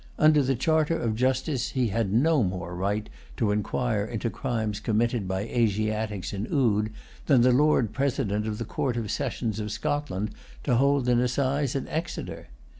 Under the charter of justice, he had no more right to inquire into crimes committed by Asiatics in Oude than the Lord President of the Court of Session of Scotland to hold an assize at Exeter.